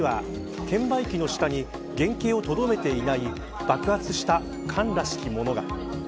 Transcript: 爆発後の映像には券売機の下に原型をとどめていない爆発した缶らしきものが。